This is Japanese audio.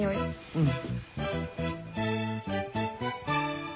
うん。